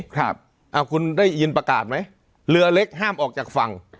คุณได้ยินประกาศไหมเหลือเล็กห้ามออกจากฝั่ง